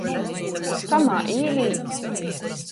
Kamā īlīt?